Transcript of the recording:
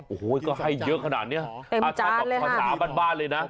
โอ้โหก็ให้เยอะขนาดนี้ก็มันไม่ปลอดภัณฑ์เลยล่ะ